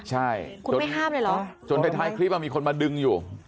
ใช่คนไม่ห้ามเลยเหรอจนท้ายคลิปมีคนมาดึงอยู่